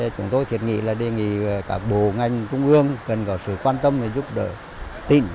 chúng tôi thiệt nghĩ là đề nghị các bộ ngành trung ương cần có sự quan tâm và giúp đỡ tỉnh